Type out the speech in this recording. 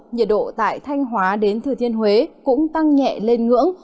nhiệt độ tại thanh hóa đến thừa thiên huế cũng tăng nhẹ lên ngưỡng